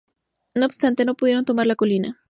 No obstante, no pudieron tomar la colina.